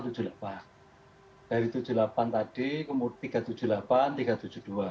dari tujuh puluh delapan tadi kemudian tiga ratus tujuh puluh delapan tiga ratus tujuh puluh dua